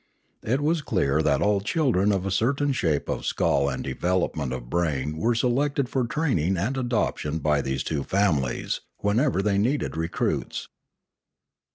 It was clear that all children of a certain shape of skull and development of brain were selected for training and adoption by these two families, whenever they needed recruits.